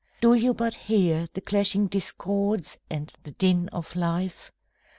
Do you but hear the clashing discords and the din of life?